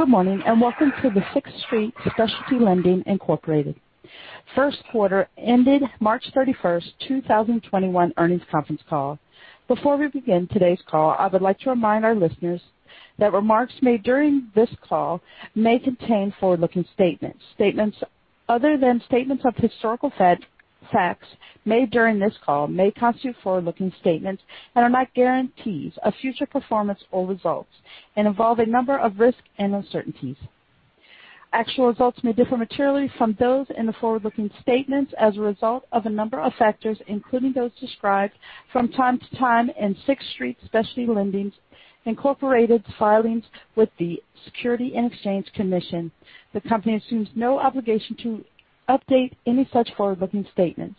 Good morning, welcome to the Sixth Street Specialty Lending Incorporated first quarter ended March 31st, 2021 earnings conference call. Before we begin today's call, I would like to remind our listeners that remarks made during this call may contain forward-looking statements. Statements other than statements of historical facts made during this call may constitute forward-looking statements and are not guarantees of future performance or results, and involve a number of risks and uncertainties. Actual results may differ materially from those in the forward-looking statements as a result of a number of factors, including those described from time to time in Sixth Street Specialty Lending Incorporated's filings with the Securities and Exchange Commission. The company assumes no obligation to update any such forward-looking statements.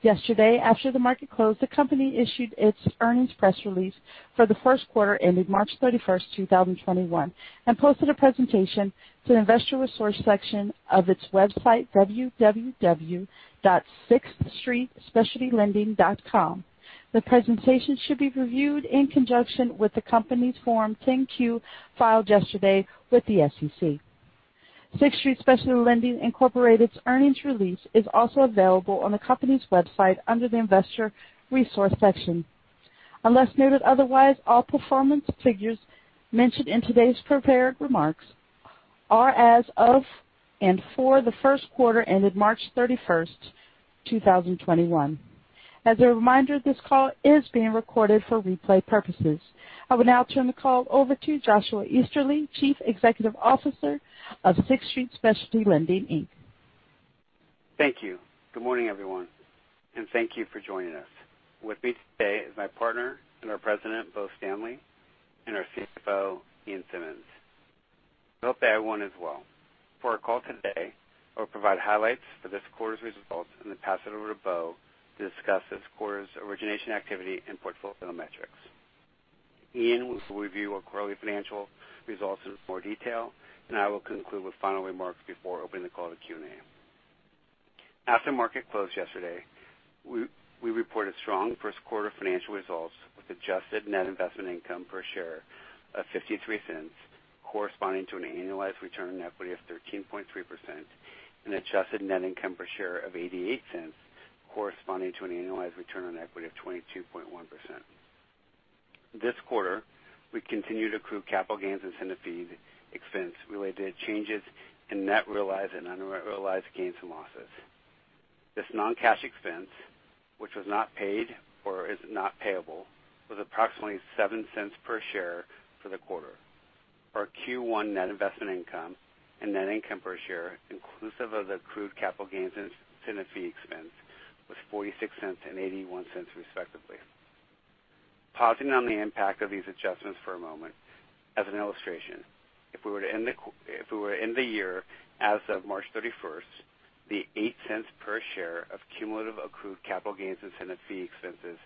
Yesterday, after the market closed, the company issued its earnings press release for the first quarter ended March 31st, 2021, and posted a presentation to the investor resource section of its website, www.sixthstreetspecialtylending.com. The presentation should be reviewed in conjunction with the company's Form 10-Q filed yesterday with the SEC. Sixth Street Specialty Lending Incorporated's earnings release is also available on the company's website under the investor resource section. Unless noted otherwise, all performance figures mentioned in today's prepared remarks are as of and for the first quarter ended March 31st, 2021. As a reminder, this call is being recorded for replay purposes. I will now turn the call over to Joshua Easterly, Chief Executive Officer of Sixth Street Specialty Lending, Inc. Thank you. Good morning, everyone, and thank you for joining us. With me today is my partner and our President, Bo Stanley, and our CFO, Ian Simmonds. We hope everyone is well. For our call today, we'll provide highlights for this quarter's results and then pass it over to Bo to discuss this quarter's origination activity and portfolio metrics. Ian will review our quarterly financial results in more detail, and I will conclude with final remarks before opening the call to Q&A. After market close yesterday, we reported strong first quarter financial results with adjusted net investment income per share of $0.53, corresponding to an annualized return on equity of 13.3% and adjusted net income per share of $0.88, corresponding to an annualized return on equity of 22.1%. This quarter, we continue to accrue capital gains and incentive fee expense related to changes in net realized and unrealized gains and losses. This non-cash expense, which was not paid or is not payable, was approximately $0.07 per share for the quarter. Our Q1 net investment income and net income per share, inclusive of the accrued capital gains and incentive fee expense, was $0.46 and $0.81 respectively. Pausing on the impact of these adjustments for a moment, as an illustration, if we were in the year as of March 31st, the $0.08 per share of cumulative accrued capital gains incentive fee expenses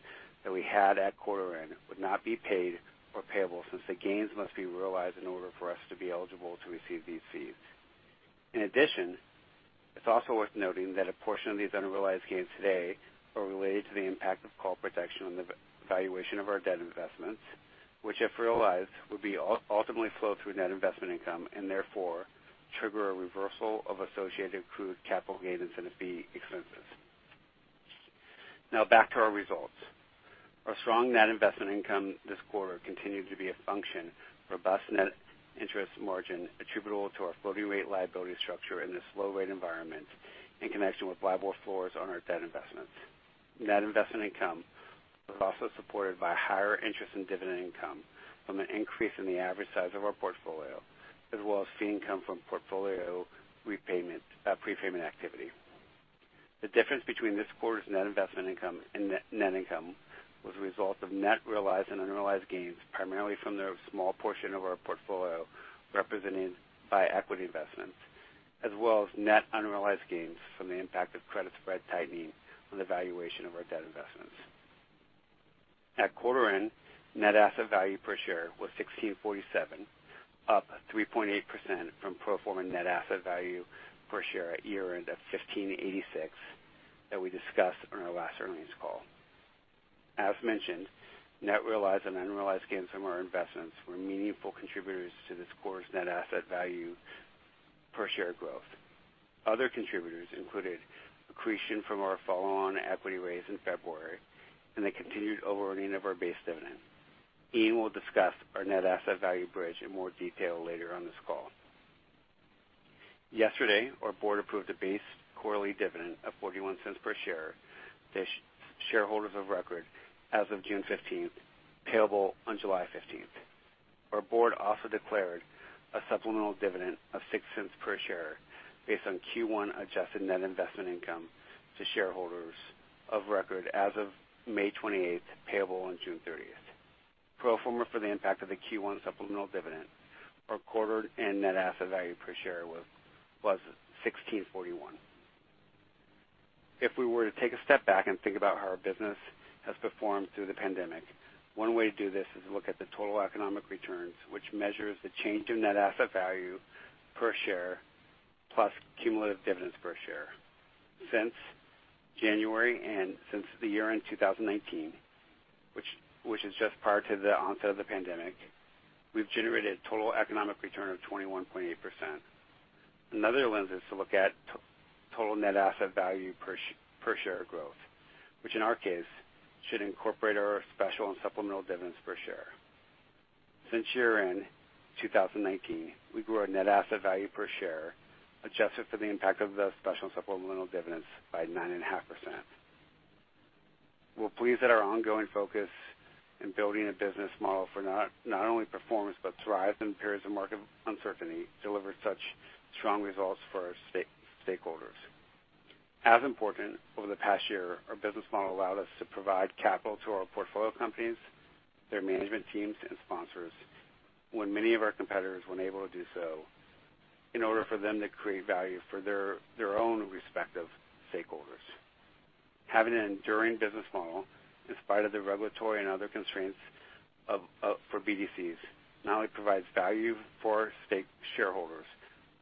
that we had at quarter end would not be paid or payable since the gains must be realized in order for us to be eligible to receive these fees. In addition, it's also worth noting that a portion of these unrealized gains today are related to the impact of call protection on the valuation of our debt investments, which if realized, would be ultimately flowed through net investment income and therefore trigger a reversal of associated accrued capital gain incentive fee expenses. Now back to our results. Our strong net investment income this quarter continued to be a function of robust net interest margin attributable to our floating rate liability structure in this slow rate environment in connection with LIBOR floors on our debt investments. Net investment income was also supported by higher interest in dividend income from an increase in the average size of our portfolio, as well as fee income from portfolio prepayment activity. The difference between this quarter's net investment income and net income was a result of net realized and unrealized gains primarily from the small portion of our portfolio represented by equity investments, as well as net unrealized gains from the impact of credit spread tightening on the valuation of our debt investments. At quarter end, net asset value per share was $16.47, up 3.8% from pro forma net asset value per share at year-end of $15.86 that we discussed on our last earnings call. As mentioned, net realized and unrealized gains from our investments were meaningful contributors to this quarter's net asset value per share growth. Other contributors included accretion from our follow-on equity raise in February and the continued overearning of our base dividend. Ian will discuss our net asset value bridge in more detail later on this call. Yesterday, our board approved a base quarterly dividend of $0.41 per share to shareholders of record as of June 15th, payable on July 15th. Our board also declared a supplemental dividend of $0.06 per share based on Q1 adjusted net investment income to shareholders of record as of May 28th, payable on June 30th. Pro forma for the impact of the Q1 supplemental dividend, our quarter-end net asset value per share was $16.41. If we were to take a step back and think about how our business has performed through the pandemic, one way to do this is look at the total economic returns, which measures the change in net asset value per share plus cumulative dividends per share. Since January and since the year-end 2019, which is just prior to the onset of the pandemic, we've generated total economic return of 21.8%. Another lens is to look at total net asset value per share growth, which in our case should incorporate our special and supplemental dividends per share. Since year-end 2019, we grew our net asset value per share, adjusted for the impact of the special and supplemental dividends by 9.5%. We're pleased that our ongoing focus in building a business model for not only performance but thrive in periods of market uncertainty delivered such strong results for our stakeholders. As important, over the past year, our business model allowed us to provide capital to our portfolio companies, their management teams, and sponsors when many of our competitors were unable to do so in order for them to create value for their own respective stakeholders. Having an enduring business model, in spite of the regulatory and other constraints for BDCs, not only provides value for shareholders,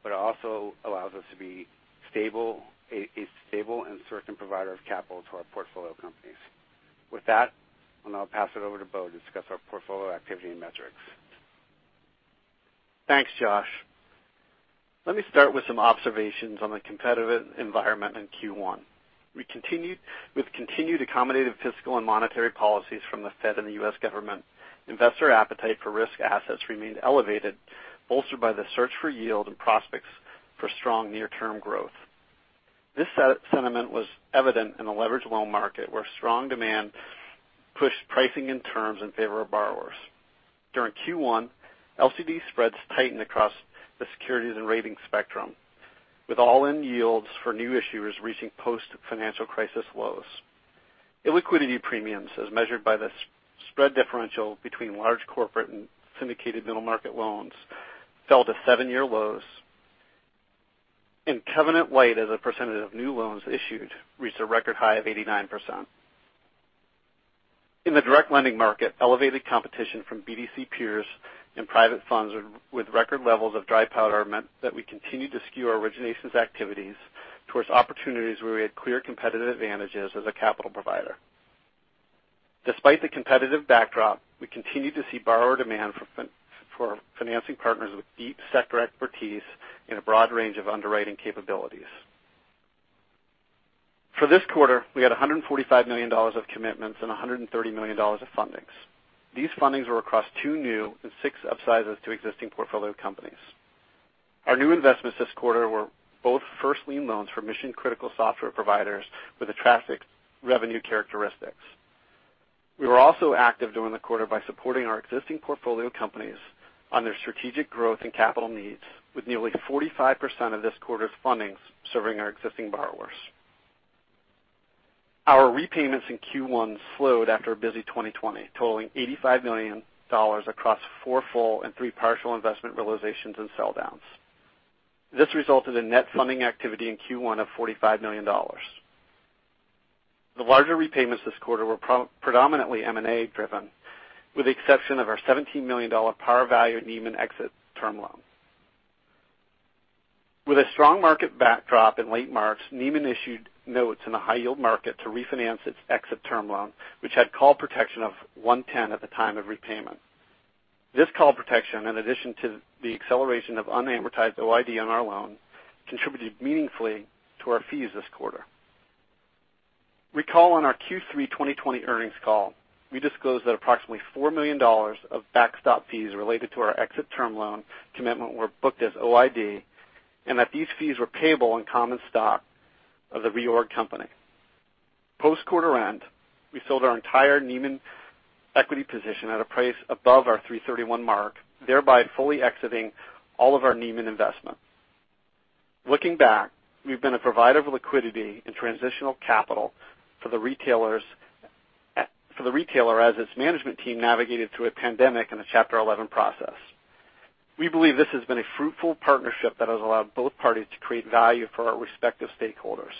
but also allows us to be a stable and certain provider of capital to our portfolio companies. With that, I'll now pass it over to Bo to discuss our portfolio activity and metrics. Thanks, Josh. Let me start with some observations on the competitive environment in Q1. With continued accommodative fiscal and monetary policies from the Fed and the U.S. government, investor appetite for risk assets remained elevated, bolstered by the search for yield and prospects for strong near-term growth. This sentiment was evident in the leverage loan market, where strong demand pushed pricing in terms in favor of borrowers. During Q1, LCD spreads tightened across the securities and rating spectrum, with all-in yields for new issuers reaching post-financial crisis lows. Illiquidity premiums, as measured by the spread differential between large corporate and syndicated middle market loans, fell to seven-year lows. Covenant-light as a percentage of new loans issued reached a record high of 89%. In the direct lending market, elevated competition from BDC peers and private funds with record levels of dry powder meant that we continued to skew our originations activities towards opportunities where we had clear competitive advantages as a capital provider. Despite the competitive backdrop, we continue to see borrower demand for financing partners with deep sector expertise and a broad range of underwriting capabilities. For this quarter, we had $145 million of commitments and $130 million of fundings. These fundings were across two new and six upsizes to existing portfolio companies. Our new investments this quarter were both first lien loans for mission-critical software providers with attractive revenue characteristics. We were also active during the quarter by supporting our existing portfolio companies on their strategic growth and capital needs, with nearly 45% of this quarter's fundings serving our existing borrowers. Our repayments in Q1 slowed after a busy 2020, totaling $85 million across four full and three partial investment realizations and sell downs. This resulted in net funding activity in Q1 of $45 million. The larger repayments this quarter were predominantly M&A-driven, with the exception of our $17 million par value Neiman exit term loan. With a strong market backdrop in late March, Neiman issued notes in the high yield market to refinance its exit term loan, which had call protection of 110 at the time of repayment. This call protection, in addition to the acceleration of unamortized OID on our loan, contributed meaningfully to our fees this quarter. Recall on our Q3 2020 earnings call, we disclosed that approximately $4 million of backstop fees related to our exit term loan commitment were booked as OID, and that these fees were payable in common stock of the reorg company. Post quarter end, we sold our entire Neiman equity position at a price above our $331 mark, thereby fully exiting all of our Neiman investments. Looking back, we've been a provider of liquidity and transitional capital for the retailer as its management team navigated through a pandemic and a Chapter 11 process. We believe this has been a fruitful partnership that has allowed both parties to create value for our respective stakeholders.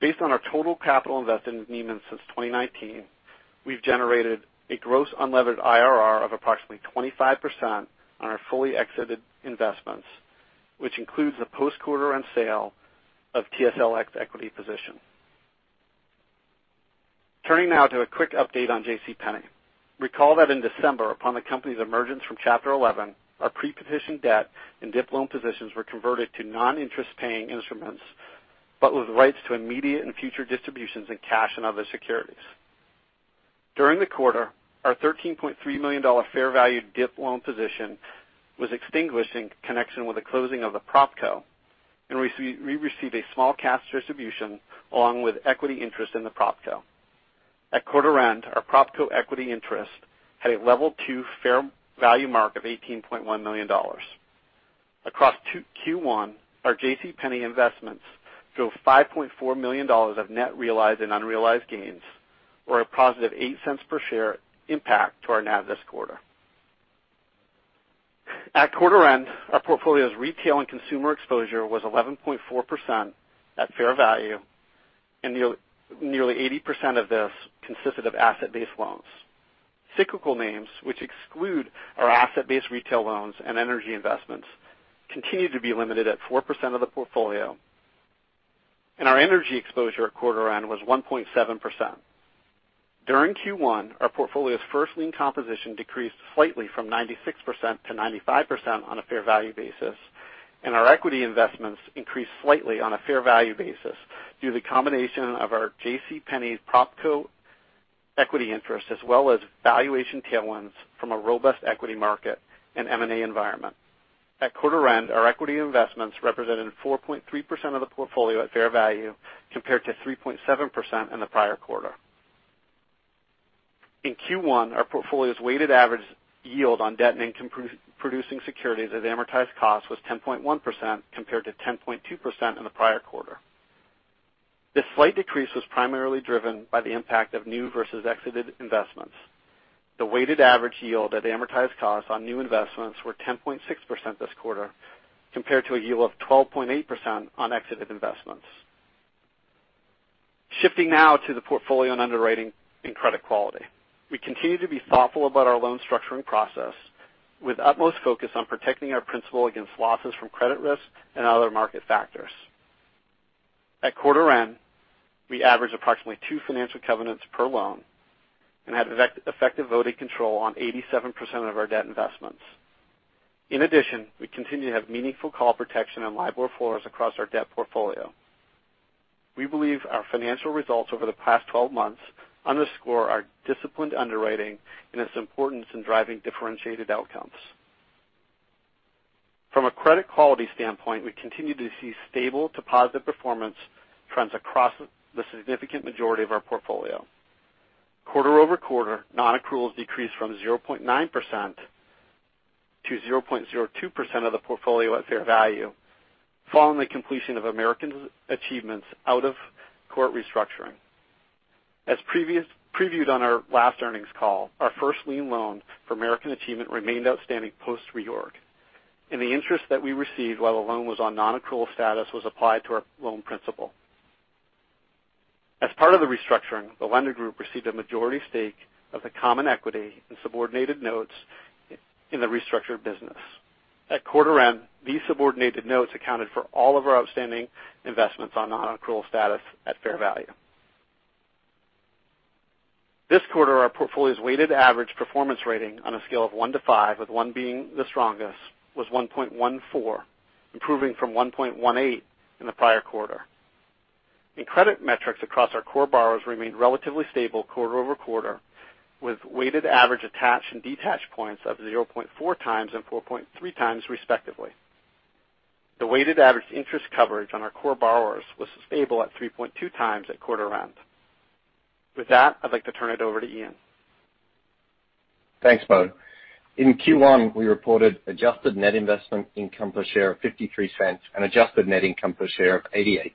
Based on our total capital invested in Neiman since 2019, we've generated a gross unlevered IRR of approximately 25% on our fully exited investments, which includes the post quarter and sale of TSLX equity position. Turning now to a quick update on J.C. Penney. Recall that in December, upon the company's emergence from Chapter 11, our pre-petition debt and DIP loan positions were converted to non-interest paying instruments, but with rights to immediate and future distributions in cash and other securities. During the quarter, our $13.3 million fair value DIP loan position was extinguished in connection with the closing of the PropCo, and we received a small cash distribution along with equity interest in the PropCo. At quarter end, our PropCo equity interest had a level 2 fair value mark of $18.1 million. Across Q1, our J.C. Penney investments drove $5.4 million of net realized and unrealized gains or a positive $0.08 per share impact to our NAV this quarter. At quarter end, our portfolio's retail and consumer exposure was 11.4% at fair value, and nearly 80% of this consisted of asset-based loans. Cyclical names, which exclude our asset-based retail loans and energy investments, continue to be limited at 4% of the portfolio. Our energy exposure at quarter end was 1.7%. During Q1, our portfolio's first lien composition decreased slightly from 96% to 95% on a fair value basis, and our equity investments increased slightly on a fair value basis due to the combination of our JCPenney's PropCo equity interest, as well as valuation tailwinds from a robust equity market and M&A environment. At quarter end, our equity investments represented 4.3% of the portfolio at fair value compared to 3.7% in the prior quarter. In Q1, our portfolio's weighted average yield on debt and income producing securities at amortized cost was 10.1% compared to 10.2% in the prior quarter. This slight decrease was primarily driven by the impact of new versus exited investments. The weighted average yield at amortized costs on new investments were 10.6% this quarter, compared to a yield of 12.8% on exited investments. Shifting now to the portfolio on underwriting and credit quality. We continue to be thoughtful about our loan structuring process with utmost focus on protecting our principal against losses from credit risk and other market factors. At quarter end, we average approximately two financial covenants per loan and have effective voting control on 87% of our debt investments. In addition, we continue to have meaningful call protection on LIBOR floors across our debt portfolio. We believe our financial results over the past 12 months underscore our disciplined underwriting and its importance in driving differentiated outcomes. From a credit quality standpoint, we continue to see stable to positive performance trends across the significant majority of our portfolio. Quarter-over-quarter, non-accruals decreased from 0.9%-0.02% of the portfolio at fair value following the completion of American Achievement's out of court restructuring. As previewed on our last earnings call, our first lien loan for American Achievement remained outstanding post-reorg. The interest that we received while the loan was on non-accrual status was applied to our loan principal. As part of the restructuring, the lender group received a majority stake of the common equity and subordinated notes in the restructured business. At quarter end, these subordinated notes accounted for all of our outstanding investments on non-accrual status at fair value. This quarter, our portfolio's weighted average performance rating on a scale of one to five, with one being the strongest, was 1.14, improving from 1.18 in the prior quarter. In credit metrics across our core borrowers remained relatively stable quarter-over-quarter, with weighted average attached and detached points of 0.4x and 4.3x respectively. The weighted average interest coverage on our core borrowers was stable at 3.2x at quarter end. With that, I'd like to turn it over to Ian. Thanks, Bo Stanley. In Q1, we reported adjusted net investment income per share of $0.53 and adjusted net income per share of $0.88.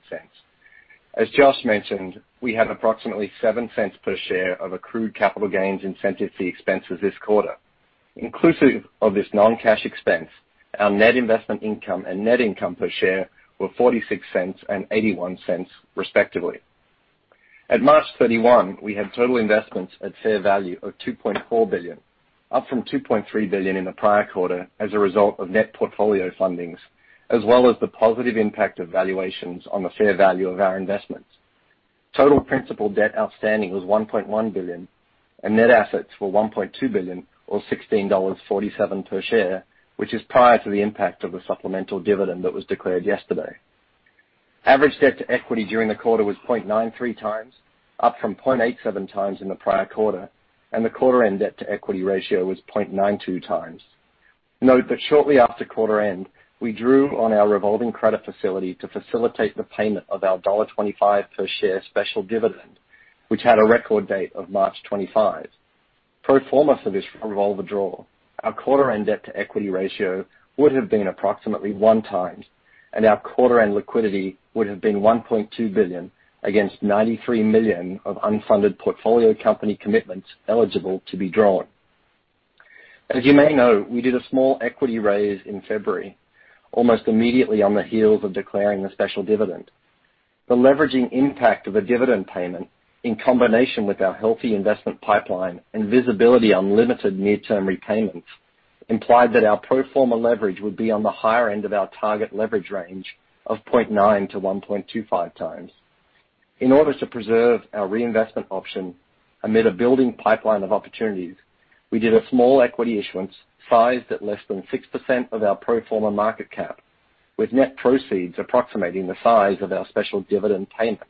As Josh mentioned, we had approximately $0.07 per share of accrued capital gains incentive fee expenses this quarter. Inclusive of this non-cash expense, our net investment income and net income per share were $0.46 and $0.81 respectively. At March 31, we had total investments at fair value of $2.4 billion, up from $2.3 billion in the prior quarter as a result of net portfolio fundings, as well as the positive impact of valuations on the fair value of our investments. Total principal debt outstanding was $1.1 billion and net assets were $1.2 billion or $16.47 per share, which is prior to the impact of a supplemental dividend that was declared yesterday. Average debt to equity during the quarter was 0.93x, up from 0.87 times in the prior quarter. The quarter end debt to equity ratio was 0.92x. Note that shortly after quarter end, we drew on our revolving credit facility to facilitate the payment of our $1.25 per share special dividend, which had a record date of March 25. Pro forma for this revolve draw, our quarter end debt to equity ratio would have been approximately 1x, and our quarter end liquidity would have been $1.2 billion against $93 million of unfunded portfolio company commitments eligible to be drawn. As you may know, we did a small equity raise in February, almost immediately on the heels of declaring the special dividend. The leveraging impact of a dividend payment, in combination with our healthy investment pipeline and visibility on limited near-term repayments, implied that our pro forma leverage would be on the higher end of our target leverage range of 0.9x-1.25x. In order to preserve our reinvestment option amid a building pipeline of opportunities, we did a small equity issuance sized at less than 6% of our pro forma market cap, with net proceeds approximating the size of our special dividend payment.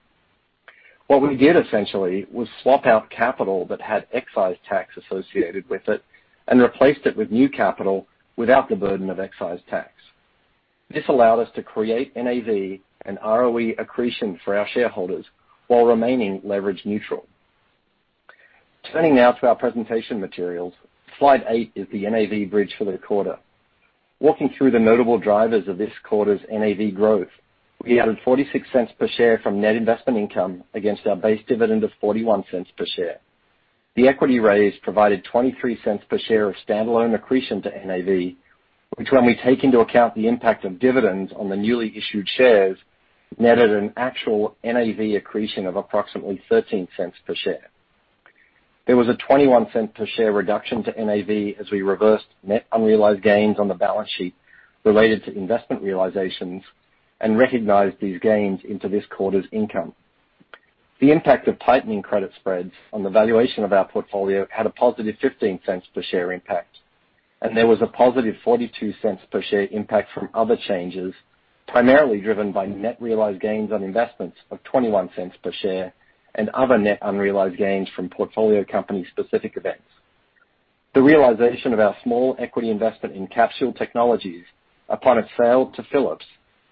What we did essentially was swap out capital that had excise tax associated with it and replaced it with new capital without the burden of excise tax. This allowed us to create NAV and ROE accretion for our shareholders while remaining leverage neutral. Turning now to our presentation materials. Slide eight is the NAV bridge for the quarter. Walking through the notable drivers of this quarter's NAV growth, we added $0.46 per share from net investment income against our base dividend of $0.41 per share. The equity raise provided $0.23 per share of standalone accretion to NAV, which when we take into account the impact of dividends on the newly issued shares, netted an actual NAV accretion of approximately $0.13 per share. There was a $0.21 per share reduction to NAV as we reversed net unrealized gains on the balance sheet related to investment realizations and recognized these gains into this quarter's income. The impact of tightening credit spreads on the valuation of our portfolio had a positive $0.15 per share impact, and there was a positive $0.42 per share impact from other changes, primarily driven by net realized gains on investments of $0.21 per share and other net unrealized gains from portfolio company specific events. The realization of our small equity investment in Capsule Technologies upon its sale to Philips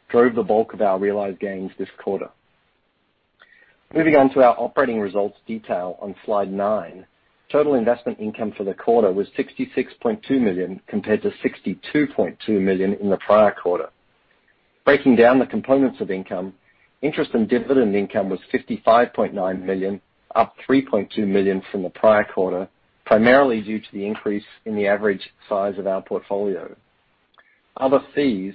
drove the bulk of our realized gains this quarter. Moving on to our operating results detail on slide nine. Total investment income for the quarter was $66.2 million, compared to $62.2 million in the prior quarter. Breaking down the components of income, interest and dividend income was $55.9 million, up $3.2 million from the prior quarter, primarily due to the increase in the average size of our portfolio. Other fees,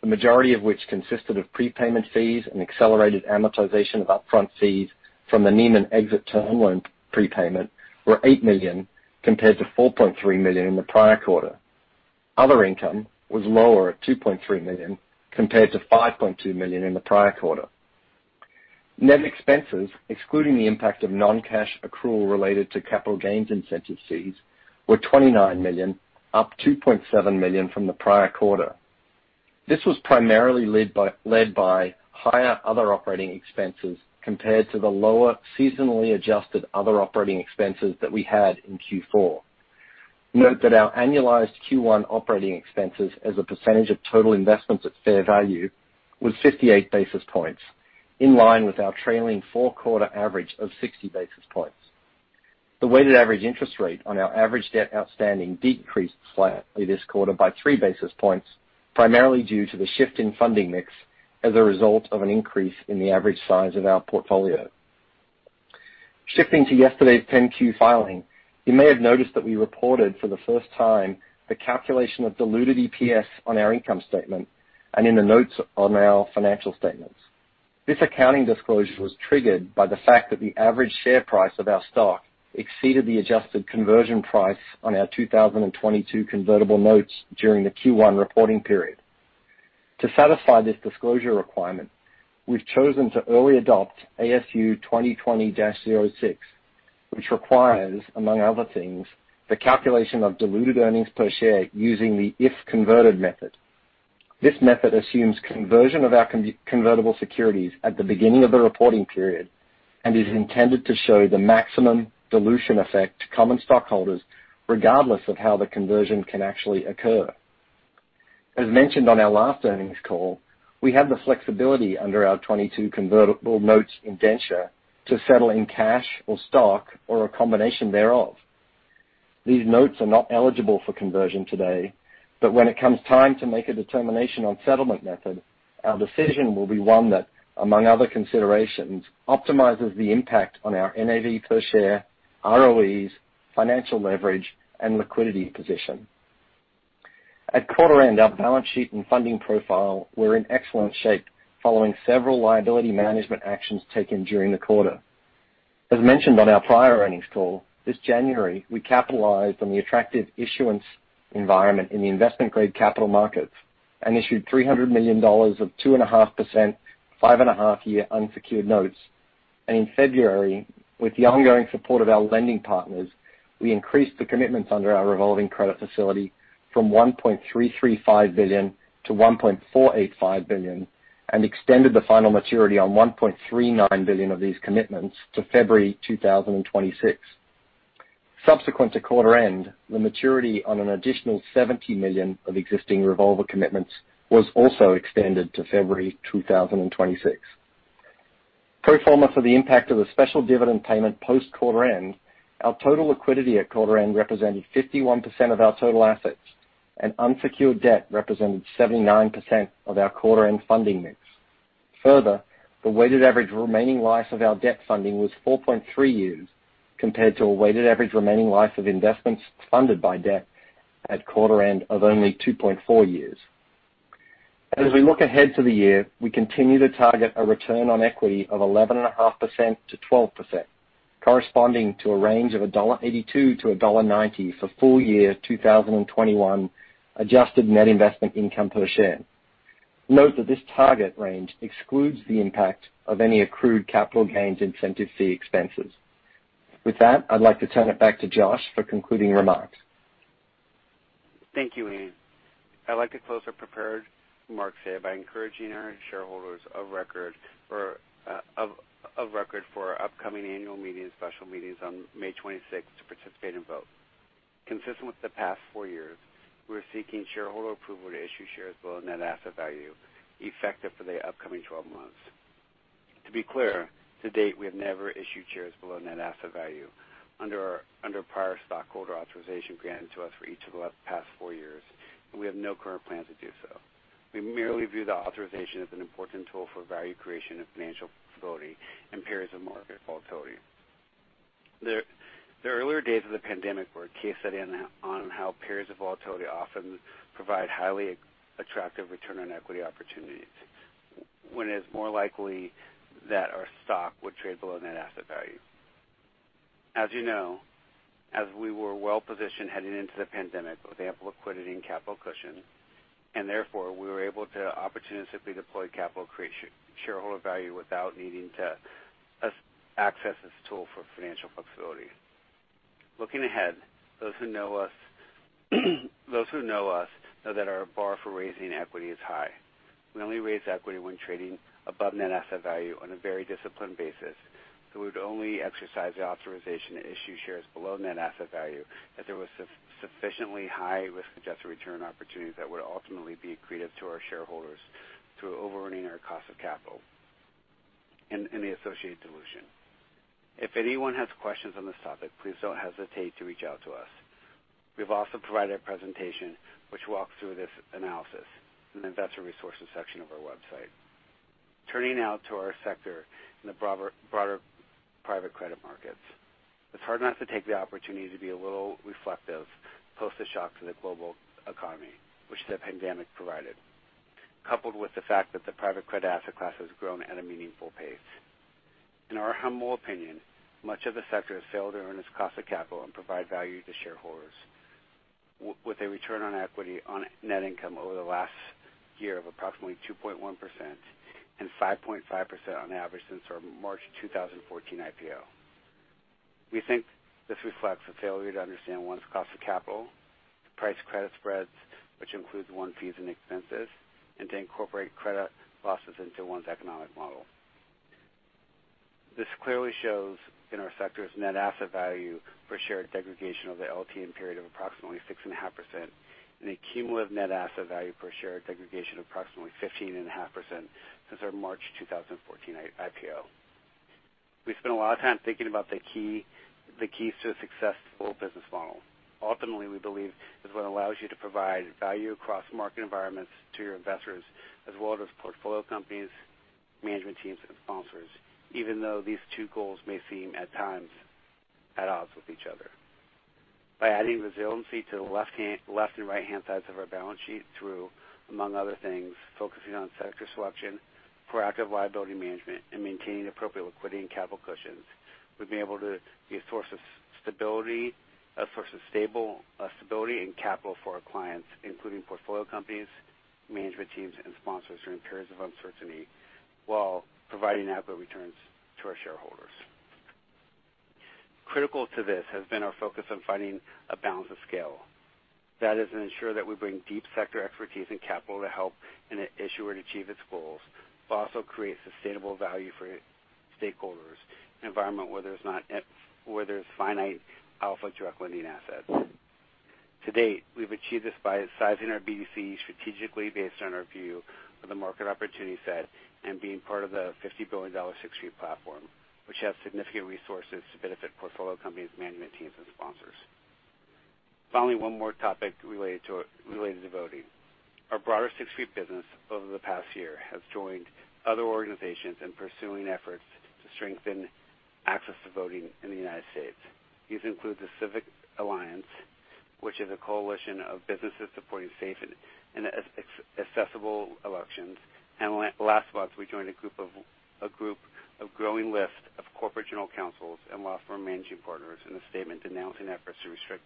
the majority of which consisted of prepayment fees and accelerated amortization of upfront fees from the Neiman exit term loan prepayment, were $8 million, compared to $4.3 million in the prior quarter. Other income was lower at $2.3 million compared to $5.2 million in the prior quarter. Net expenses, excluding the impact of non-cash accrual related to capital gains incentive fees, were $29 million, up $2.7 million from the prior quarter. This was primarily led by higher other operating expenses compared to the lower seasonally adjusted other operating expenses that we had in Q4. Note that our annualized Q1 operating expenses as a percentage of total investments at fair value was 58 basis points, in line with our trailing four-quarter average of 60 basis points. The weighted average interest rate on our average debt outstanding decreased slightly this quarter by three basis points, primarily due to the shift in funding mix as a result of an increase in the average size of our portfolio. Shifting to yesterday's 10-Q filing, you may have noticed that we reported for the first time the calculation of diluted EPS on our income statement and in the notes on our financial statements. This accounting disclosure was triggered by the fact that the average share price of our stock exceeded the adjusted conversion price on our 2022 convertible notes during the Q1 reporting period. To satisfy this disclosure requirement, we've chosen to early adopt ASU 2020-06, which requires, among other things, the calculation of diluted earnings per share using the if-converted method. This method assumes conversion of our convertible securities at the beginning of the reporting period and is intended to show the maximum dilution effect to common stockholders, regardless of how the conversion can actually occur. As mentioned on our last earnings call, we have the flexibility under our 2022 convertible notes indenture to settle in cash or stock or a combination thereof. These notes are not eligible for conversion today, but when it comes time to make a determination on settlement method, our decision will be one that, among other considerations, optimizes the impact on our NAV per share, ROEs, financial leverage, and liquidity position. At quarter end, our balance sheet and funding profile were in excellent shape following several liability management actions taken during the quarter. As mentioned on our prior earnings call, this January, we capitalized on the attractive issuance environment in the investment-grade capital markets and issued $300 million of 2.5%, 5.5-year unsecured notes. In February, with the ongoing support of our lending partners, we increased the commitments under our revolving credit facility from $1.335 billion to $1.485 billion and extended the final maturity on $1.39 billion of these commitments to February 2026. Subsequent to quarter end, the maturity on an additional $70 million of existing revolver commitments was also extended to February 2026. Pro forma for the impact of the special dividend payment post quarter end, our total liquidity at quarter end represented 51% of our total assets, and unsecured debt represented 79% of our quarter end funding mix. Further, the weighted average remaining life of our debt funding was 4.3 years, compared to a weighted average remaining life of investments funded by debt at quarter end of only 2.4 years. As we look ahead to the year, we continue to target a return on equity of 11.5%-12%, corresponding to a range of $1.82-$1.90 for full year 2021 adjusted net investment income per share. Note that this target range excludes the impact of any accrued capital gains incentive fee expenses. With that, I'd like to turn it back to Josh for concluding remarks. Thank you, Ian. I'd like to close our prepared remarks here by encouraging our shareholders of record for our upcoming annual meeting and special meetings on May 26th to participate and vote. Consistent with the past four years, we're seeking shareholder approval to issue shares below net asset value effective for the upcoming 12 months. To be clear, to date, we have never issued shares below net asset value under prior stockholder authorization granted to us for each of the past four years, and we have no current plans to do so. We merely view the authorization as an important tool for value creation and financial flexibility in periods of market volatility. The earlier days of the pandemic were a case study on how periods of volatility often provide highly attractive return on equity opportunities when it's more likely that our stock would trade below net asset value. As you know, as we were well-positioned headed into the pandemic with ample liquidity and capital cushion. Therefore, we were able to opportunistically deploy capital and create shareholder value without needing to access this tool for financial flexibility. Looking ahead, those who know us know that our bar for raising equity is high. We'd only exercise the authorization to issue shares below net asset value if there was sufficiently high risk-adjusted return opportunities that would ultimately be accretive to our shareholders through overearning our cost of capital and the associated dilution. If anyone has questions on this topic, please don't hesitate to reach out to us. We've also provided a presentation which walks through this analysis in the investor resources section of our website. Turning now to our sector in the broader private credit markets. It's hard not to take the opportunity to be a little reflective post the shock to the global economy, which the pandemic provided, coupled with the fact that the private credit asset class has grown at a meaningful pace. In our humble opinion, much of the sector has failed to earn its cost of capital and provide value to shareholders. With a return on equity on net income over the last year of approximately 2.1% and 5.5% on average since our March 2014 IPO. We think this reflects a failure to understand one's cost of capital, price credit spreads, which includes one's fees and expenses, and to incorporate credit losses into one's economic model. This clearly shows in our sector's net asset value per share degradation over the LTM period of approximately 6.5% and a cumulative net asset value per share degradation of approximately 15.5% since our March 2014 IPO. We spent a lot of time thinking about the keys to a successful business model. Ultimately, we believe is what allows you to provide value across market environments to your investors as well as portfolio companies, management teams, and sponsors, even though these two goals may seem at times at odds with each other. By adding resiliency to the left and right-hand sides of our balance sheet through, among other things, focusing on sector selection, proactive liability management, and maintaining appropriate liquidity and capital cushions, we've been able to be a source of stability and capital for our clients, including portfolio companies, management teams, and sponsors during periods of uncertainty while providing adequate returns to our shareholders. Critical to this has been our focus on finding a balance of scale. That is to ensure that we bring deep sector expertise and capital to help an issuer to achieve its goals, but also create sustainable value for stakeholders in an environment where there's finite alpha direct lending assets. To date, we've achieved this by sizing our BDC strategically based on our view of the market opportunity set and being part of the $50 billion Sixth Street platform, which has significant resources to benefit portfolio companies, management teams, and sponsors. Finally, one more topic related to voting. Our broader Sixth Street business over the past year has joined other organizations in pursuing efforts to strengthen access to voting in the U.S. These include the Civic Alliance, which is a coalition of businesses supporting safe and accessible elections. Last month, we joined a group of growing list of corporate general counsels and law firm managing partners in a statement denouncing efforts to restrict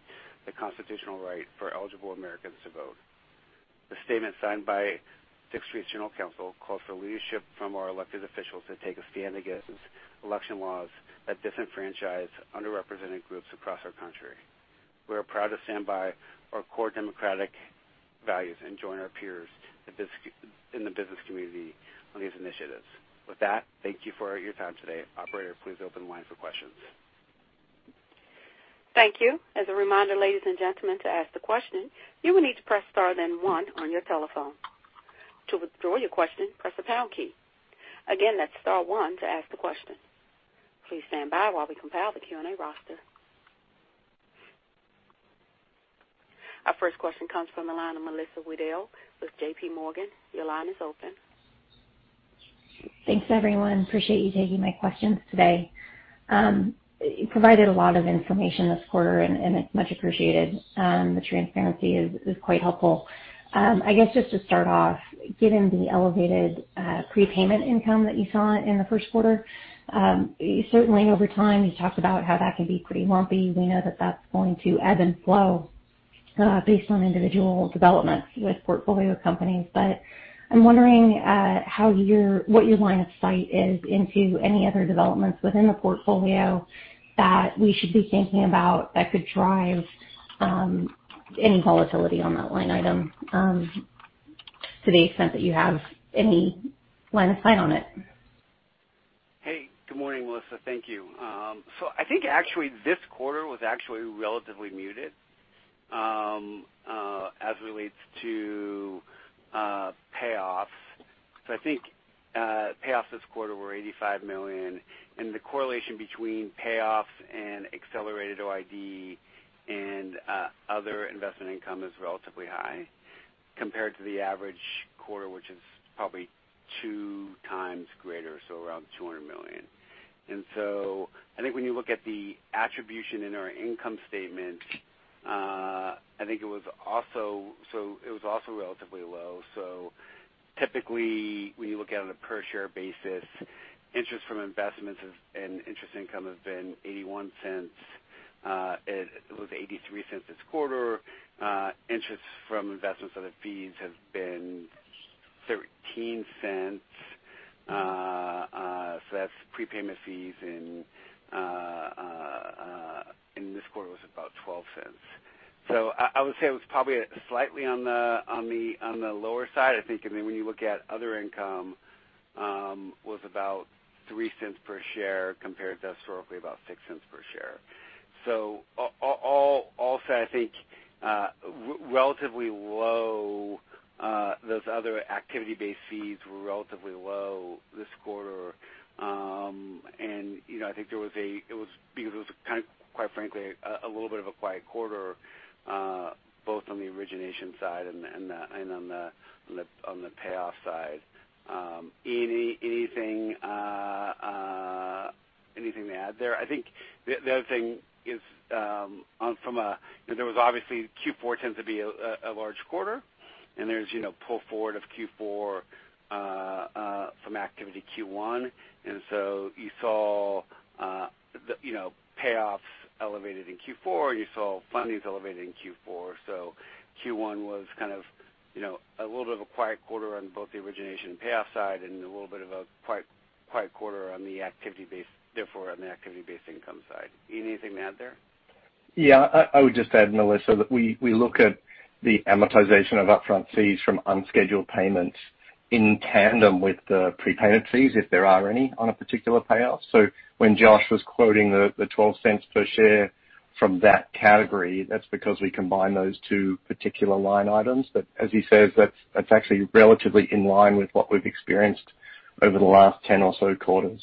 the constitutional right for eligible Americans to vote. The statement signed by Sixth Street's General Counsel calls for leadership from our elected officials to take a stand against election laws that disenfranchise underrepresented groups across our country. We are proud to stand by our core democratic values and join our peers in the business community on these initiatives. With that, thank you for your time today. Operator, please open the line for questions. Thank you. As a reminder ladies and gentlemen to ask a question, you will need to press star then one on your telephone. To withdraw your question press the pound key. Again press star one to ask a question. Please stand by while we combine the Q&A roster. Our first question comes from the line of Melissa Wedel with JPMorgan. Your line is open. Thanks, everyone. Appreciate you taking my questions today. You provided a lot of information this quarter, it's much appreciated. The transparency is quite helpful. I guess just to start off, given the elevated prepayment income that you saw in the first quarter, certainly over time, you talked about how that can be pretty lumpy. We know that that's going to ebb and flow based on individual developments with portfolio companies. I'm wondering what your line of sight is into any other developments within the portfolio that we should be thinking about that could drive any volatility on that line item to the extent that you have any line of sight on it. Hey, good morning, Melissa. Thank you. I think actually this quarter was actually relatively muted as it relates to payoffs. I think payoffs this quarter were $85 million, and the correlation between payoffs and accelerated OID and other investment income is relatively high compared to the average quarter, which is probably two times greater, so around $200 million. I think when you look at the attribution in our income statement, I think it was also relatively low. Typically, when you look at it on a per share basis, interest from investments and interest income have been $0.81. It was $0.83 this quarter. Interest from investments, other fees have been $0.13. That's prepayment fees, and this quarter was about $0.12. I would say it was probably slightly on the lower side. I think when you look at other income, was about $0.03 per share compared to historically about $0.06 per share. Also, I think those other activity-based fees were relatively low this quarter. I think because it was, quite frankly, a little bit of a quiet quarter both on the origination side and on the payoff side. Anything to add there? I think the other thing is there was obviously Q4 tends to be a large quarter, and there's pull forward of Q4 from activity Q1. You saw payoffs elevated in Q4, you saw fundings elevated in Q4. Q1 was a little bit of a quiet quarter on both the origination and payoff side and a little bit of a quiet quarter on the activity base, therefore on the activity-based income side. Anything to add there? Yeah, I would just add, Melissa, that we look at the amortization of upfront fees from unscheduled payments in tandem with the prepayment fees, if there are any, on a particular payoff. When Josh was quoting the $0.12 per share from that category, that's because we combine those two particular line items. As he says, that's actually relatively in line with what we've experienced over the last 10 or so quarters.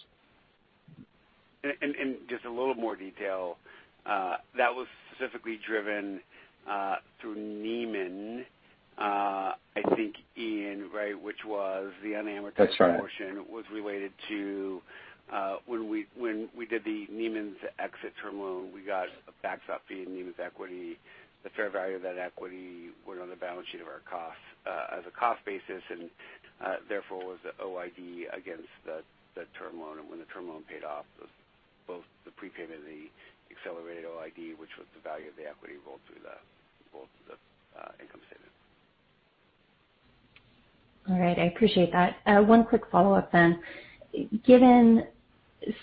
Just a little more detail. That was specifically driven through Neiman, I think, Ian right? That's right. Which was portion was related to when we did the Neiman exit term loan, we got a backstop fee in Neiman equity. The fair value of that equity went on the balance sheet of our costs as a cost basis, and therefore was the OID against the term loan. When the term loan paid off, both the prepayment of the accelerated OID, which was the value of the equity, rolled through both the income statement. All right. I appreciate that. one quick follow-up. Given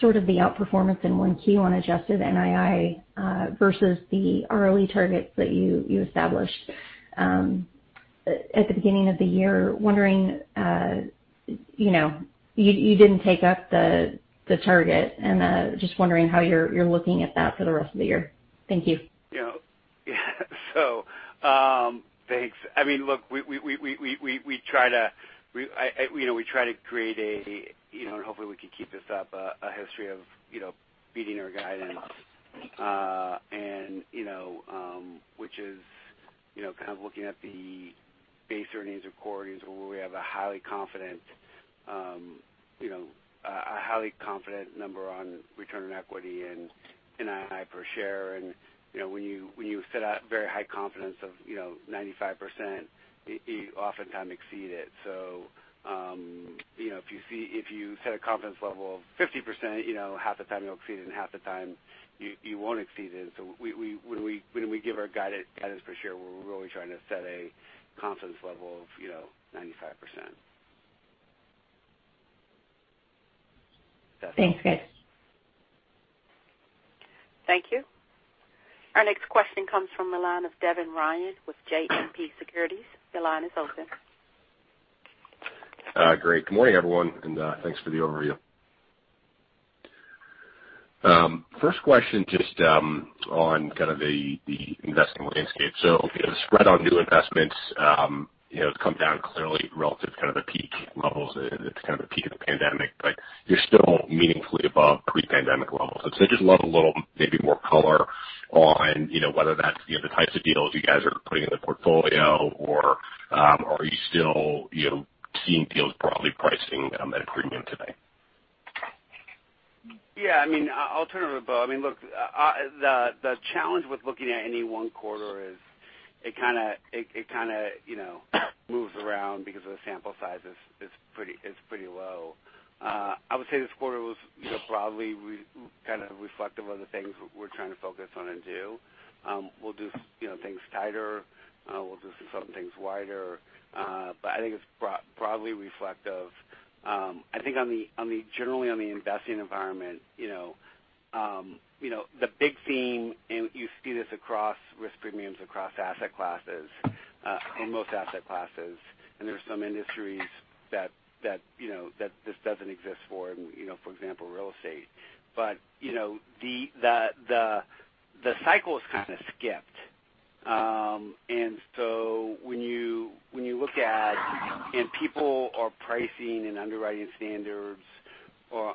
sort of the outperformance in 1Q on adjusted NII versus the early targets that you established at the beginning of the year, you didn't take up the target. Just wondering how you're looking at that for the rest of the year. Thank you. Yeah. Thanks. Look, we try to create a, and hopefully we can keep this up, a history of beating our guidance, which is kind of looking at the base earnings [inaudible] where we have a highly confident number on return on equity and NII per share. When you set a very high confidence of 95%, you oftentimes exceed it. If you set a confidence level of 50%, half the time you'll exceed it, and half the time you won't exceed it. When we give our guidance per share, we're really trying to set a confidence level of 95%. Thanks, guys. Thank you. Our next question comes from the line of Devin Ryan with JMP Securities. Your line is open. Great. Good morning, everyone, and thanks for the overview. First question, just on kind of the investing landscape. The spread on new investments has come down clearly relative to kind of the peak levels. It's kind of the peak of the pandemic, but you're still meaningfully above pre-pandemic levels. I'd just love a little, maybe more color on whether that's the types of deals you guys are putting in the portfolio, or are you still seeing deals broadly pricing at a premium today? Yeah. I mean, I'll turn it over to Bo. Look, the challenge with looking at any one quarter is it kind of moves around because the sample size is pretty low. I would say this quarter was probably kind of reflective of the things we're trying to focus on and do. We'll do some things tighter, we'll do some things wider. I think it's broadly reflective. I think generally on the investing environment the big theme, and you see this across risk premiums, across asset classes, in most asset classes, and there are some industries that this doesn't exist for example, real estate. The cycle is kind of skipped. People are pricing and underwriting standards are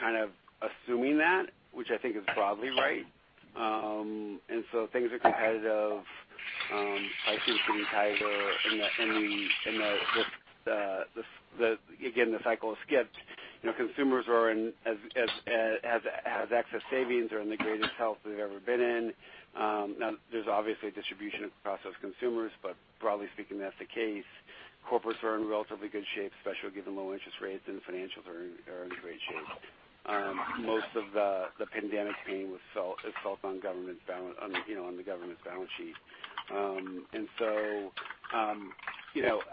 kind of assuming that, which I think is broadly right. Things are competitive. Pricing is pretty tighter in the, again, the cycle is skipped. Consumers have excess savings, are in the greatest health they've ever been in. Now, there's obviously a distribution across those consumers, but broadly speaking, that's the case. Corporates are in relatively good shape, especially given low interest rates, and financials are in great shape. Most of the pandemic pain is felt on the government's balance sheet.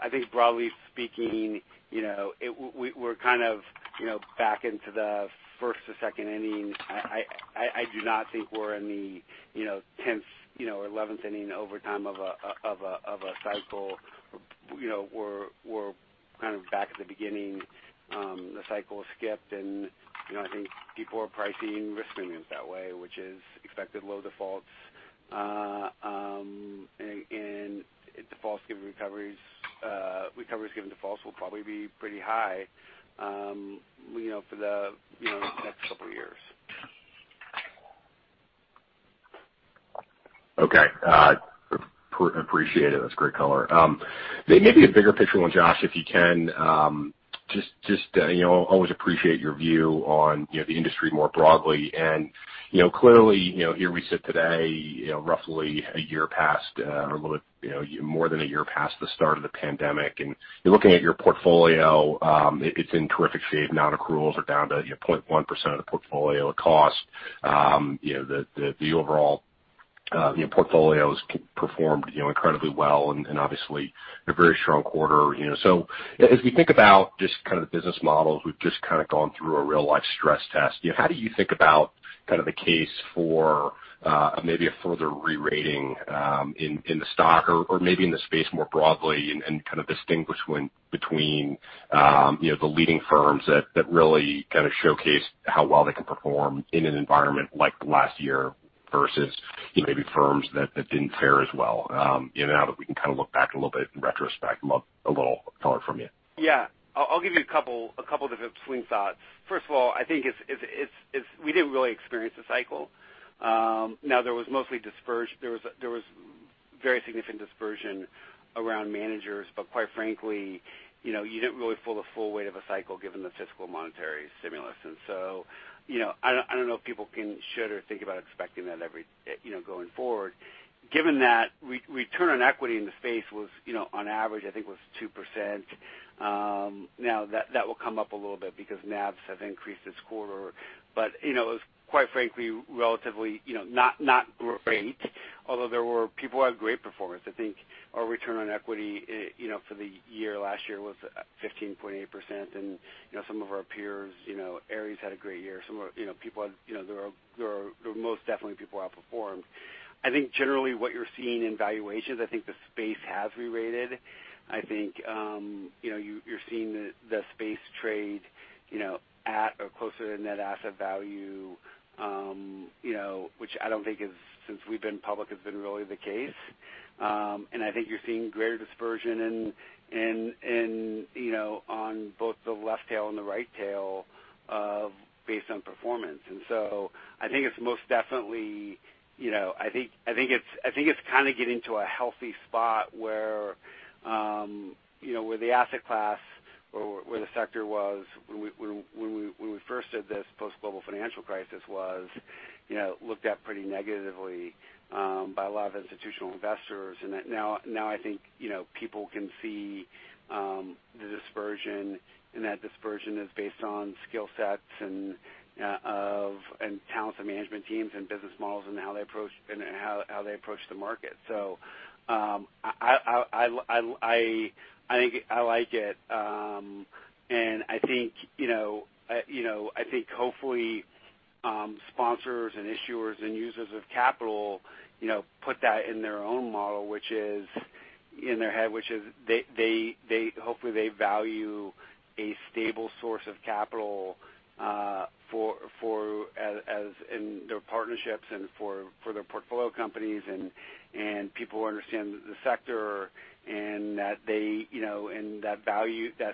I think broadly speaking, we're kind of back into the first or second inning. I do not think we're in the 10th or 11th inning overtime of a cycle. We're kind of back at the beginning. The cycle is skipped, and I think people are pricing risk premiums that way, which is expected low defaults. Recoveries given defaults will probably be pretty high for the next couple of years. Okay. Appreciate it. That's great color. Maybe a bigger picture one, Josh, if you can. Always appreciate your view on the industry more broadly. Clearly, here we sit today roughly a year past, or a little more than a year past the start of the pandemic. You're looking at your portfolio. It's in terrific shape non-accruals are down to 0.1% of the portfolio of cost. The overall portfolio has performed incredibly well, and obviously a very strong quarter. As we think about just kind of the business models, we've just kind of gone through a real-life stress test. How do you think about kind of the case for maybe a further re-rating in the stock or maybe in the space more broadly and kind of distinguish between the leading firms that really kind of showcase how well they can perform in an environment like last year versus maybe firms that didn't fare as well? Now that we can kind of look back a little bit in retrospect, I'd love a little color from you. Yeah. I'll give you a couple of different swing thoughts. First of all, I think we didn't really experience a cycle. Now, there was very significant dispersion around managers, but quite frankly, you didn't really feel the full weight of a cycle given the fiscal monetary stimulus. I don't know if people can, should, or think about expecting that going forward. Given that return on equity in the space was, on average, I think was 2%. Now, that will come up a little bit because NAVs have increased this quarter. It was quite frankly, relatively not great. Although there were people who had great performance. I think our return on equity for the year last year was 15.8%, and some of our peers, Ares had a great year. There most definitely people outperformed. I think generally what you're seeing in valuations, I think the space has re-rated. I think you're seeing the space trade at or closer to net asset value, which I don't think is, since we've been public, has been really the case. I think you're seeing greater dispersion on both the left tail and the right tail based on performance. I think it's most definitely getting to a healthy spot where the asset class or where the sector was when we first did this post-global financial crisis was looked at pretty negatively by a lot of institutional investors. Now I think people can see the dispersion, and that dispersion is based on skill sets and talent and management teams and business models and how they approach the market. I like it. I think hopefully sponsors and issuers and users of capital put that in their own model, which is in their head, which is hopefully they value a stable source of capital in their partnerships and for their portfolio companies. People understand the sector and that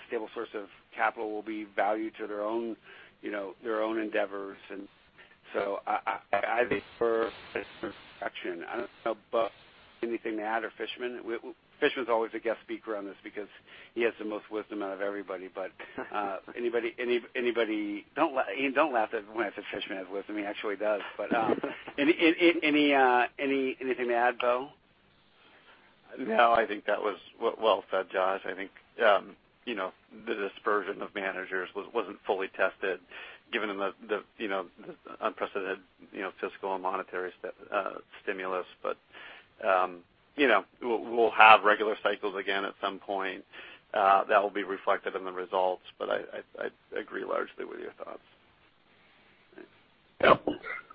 stable source of capital will be value to their own endeavors. I prefer this protection. I don't know, Bo, anything to add? Fishman? Fishman's always a guest speaker on this because he has the most wisdom out of everybody. Ian, don't laugh when I said Fishman has wisdom. He actually does. Anything to add, Bo? I think that was well said, Josh. I think the dispersion of managers wasn't fully tested given the unprecedented fiscal and monetary stimulus but we'll have regular cycles again at some point. That will be reflected in the results. But I agree largely with your thoughts. Yeah.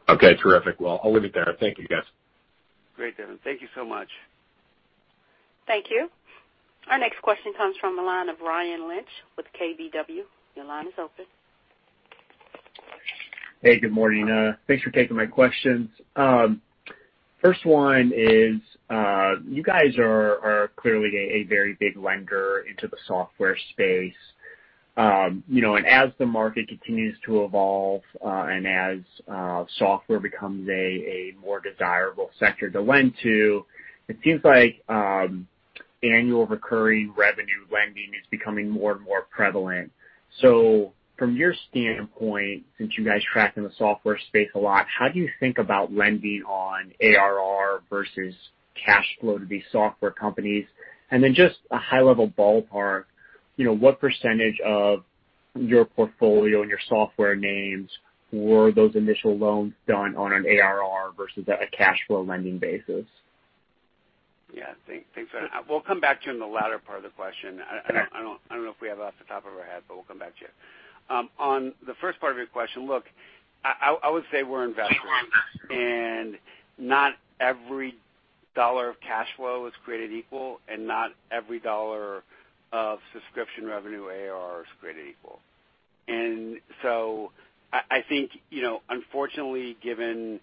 Okay, terrific. I'll leave it there. Thank you, guys. Great, Devin. Thank you so much. Thank you. Our next question comes from the line of Ryan Lynch with KBW. Your line is open. Hey, good morning. Thanks for taking my questions. First one is, you guys are clearly a very big lender into the software space. As the market continues to evolve and as software becomes a more desirable sector to lend to, it seems like annual recurring revenue lending is becoming more and more prevalent. From your standpoint, since you guys track in the software space a lot, how do you think about lending on ARR versus cash flow to these software companies? Then just a high-level ballpark, what percentage of your portfolio and your software names were those initial loans done on an ARR versus a cash flow lending basis? Yeah. Thanks. We'll come back to you on the latter part of the question. Okay. I don't know if we have it off the top of our head, but we'll come back to you. On the first part of your question, look, I would say we're investors. Not every dollar of cash flow is created equal, and not every dollar of subscription revenue ARR is created equal. I think, unfortunately, given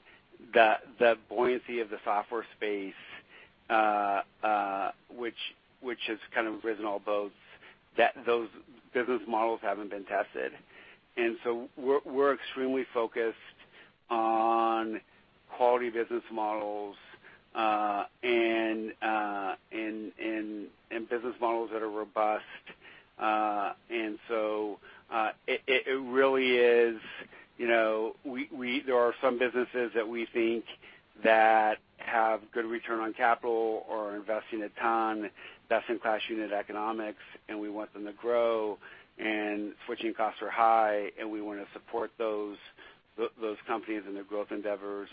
the buoyancy of the software space, which has kind of risen all boats, that those business models haven't been tested. We're extremely focused on quality business models and business models that are robust. There are some businesses that we think that have good return on capital or are investing a ton, best-in-class unit economics, and we want them to grow, and switching costs are high, and we want to support those companies in their growth endeavors.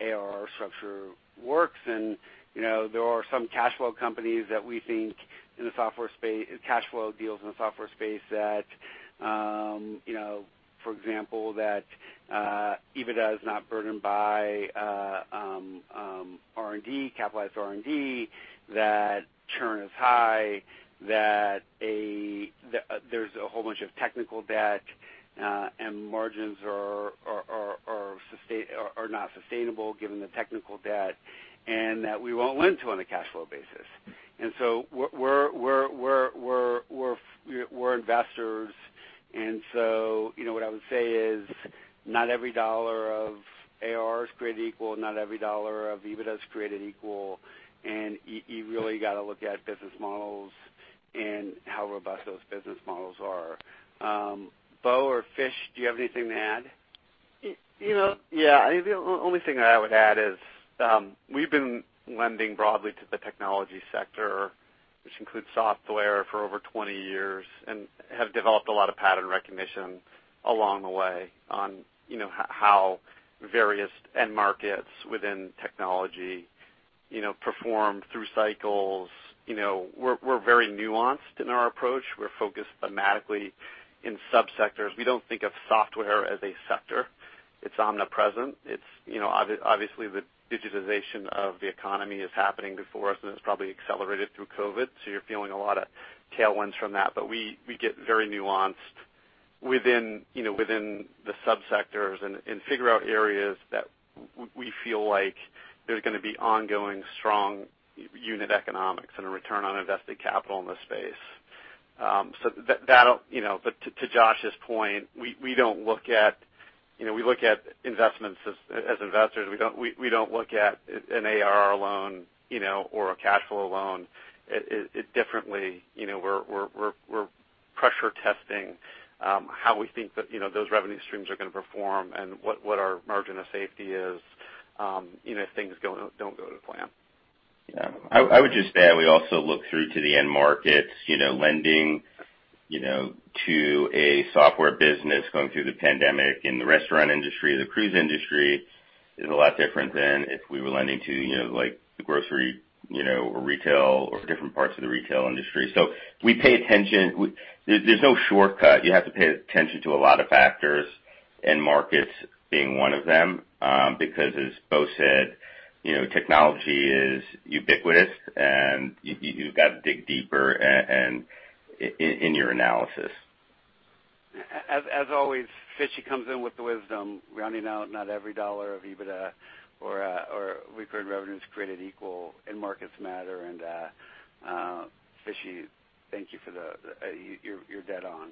ARR structure works. There are some cash flow deals in the software space that, for example, EBITDA is not burdened by R&D, capitalized R&D, that churn is high, that there's a whole bunch of technical debt, and margins are not sustainable given the technical debt, and that we won't lend to on a cash flow basis. We're investors, and so what I would say is not every dollar of ARR is created equal. Not every dollar of EBITDA is created equal. You really got to look at business models and how robust those business models are. Bo or Fish, do you have anything to add? The only thing that I would add is, we've been lending broadly to the technology sector, which includes software, for over 20 years, and have developed a lot of pattern recognition along the way on how various end markets within technology perform through cycles. We're very nuanced in our approach. We're focused thematically in sub-sectors. We don't think of software as a sector. It's omnipresent. Obviously, the digitization of the economy is happening before us, and it's probably accelerated through COVID, you're feeling a lot of tailwinds from that. We get very nuanced within the sub-sectors and figure out areas that we feel like there's going to be ongoing strong unit economics and a return on invested capital in the space. To Josh's point, we look at investments as investors. We don't look at an ARR loan or a cash flow loan differently. We're pressure testing how we think those revenue streams are going to perform and what our margin of safety is if things don't go to plan. Yeah. I would just add, we also look through to the end markets. Lending to a software business going through the pandemic in the restaurant industry or the cruise industry is a lot different than if we were lending to the grocery or retail or different parts of the retail industry. We pay attention. There's no shortcut. You have to pay attention to a lot of factors, end markets being one of them. As Bo said, technology is ubiquitous, and you've got to dig deeper in your analysis. As always, Fishy comes in with the wisdom. Rounding out not every dollar of EBITDA or recurring revenue is created equal. End markets matter. Fishy, thank you. You're dead on.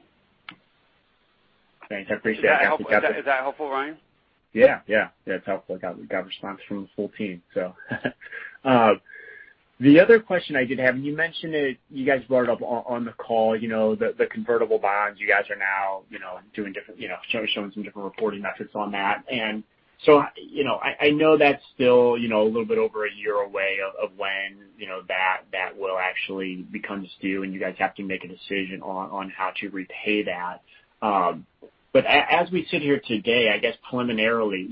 Thanks. I appreciate that. Is that helpful, Ryan? Yeah. That's helpful. I got a response from the full team. The other question I did have, you mentioned it, you guys brought it up on the call, the convertible bonds. You guys are now showing some different reporting metrics on that. I know that's still a little bit over a year away of when that will actually become due and you guys have to make a decision on how to repay that. As we sit here today, I guess preliminarily,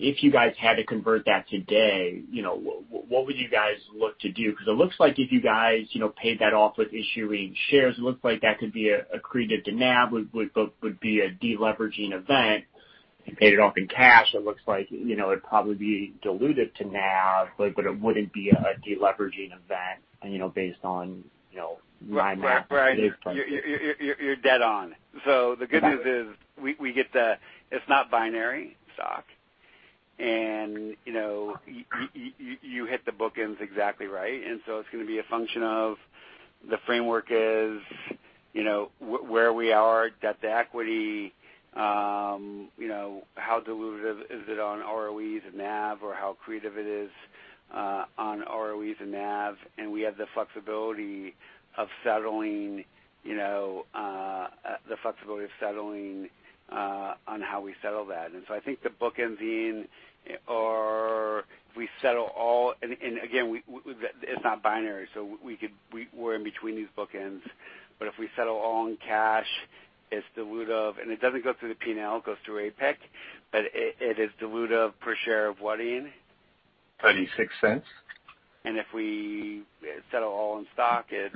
if you guys had to convert that today, what would you guys look to do? Because it looks like if you guys paid that off with issuing shares, it looks like that could be accretive to NAV, would be a de-leveraging event. Paid it off in cash, it looks like it'd probably be dilutive to NAV, but it wouldn't be a de-leveraging event based on NAV. Right. You're dead on. The good news is we get the It's not binary stock. You hit the bookends exactly right. It's going to be a function of the framework is where we are, debt to equity, how dilutive is it on ROEs and NAV or how accretive it is on ROEs and NAV, and we have the flexibility of settling on how we settle that. I think the bookending or if we settle all again, it's not binary, so we're in between these bookends, but if we settle all in cash, it's dilutive. It doesn't go through the P&L, it goes through APIC, but it is dilutive per share of what, Ian? $0.36. If we settle all in stock, it's?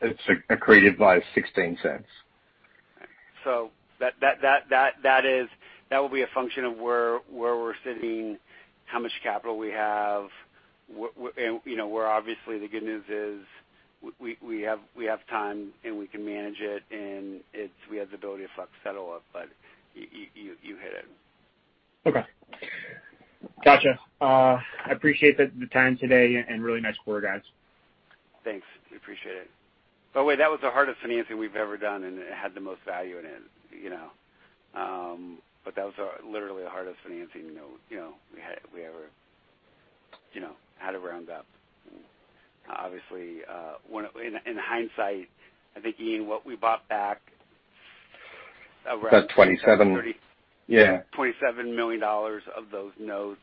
It's accretive by $0.16. That will be a function of where we're sitting, how much capital we have, where obviously the good news is we have time and we can manage it, and we have the ability to settle it. You hit it. Okay. Got you. I appreciate the time today. Really nice quarter, guys. Thanks. We appreciate it. By the way, that was the hardest financing we've ever done, and it had the most value in it. That was literally the hardest financing note we ever had to round up. Obviously, in hindsight, I think, Ian what we brought that... That $27 million. Yeah. $27 million of those notes